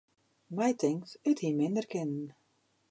My tinkt, it hie minder kinnen.